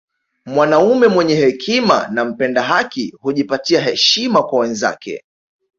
Mwanaume mwenye hekima na mpenda haki hujipatia heshima kwa wenzake